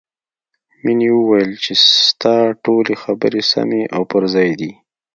مینې وویل چې ستا ټولې خبرې سمې او پر ځای دي